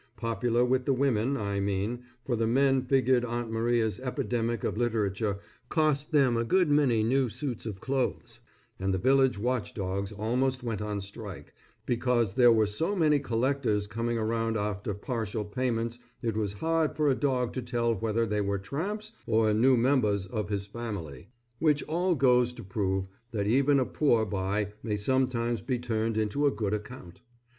Popular with the women, I mean, for the men figured Aunt Maria's epidemic of literature cost them a good many new suits of clothes, and the village watch dogs almost went on a strike, because there were so many collectors coming around after partial payments it was hard for a dog to tell whether they were tramps or new members of his family. Which all goes to prove that even a poor buy may sometimes be turned into a good account.